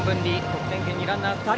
得点圏にランナー２人。